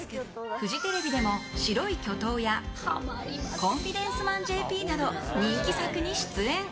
フジテレビでも「白い巨塔」や「コンフィデンスマンＪＰ」など人気作に出演。